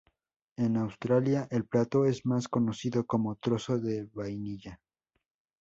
En Australia, el plato es más conocido como 'trozo de vainilla'.